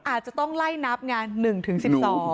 อาจจะต้องไล่นับไง๑๑๒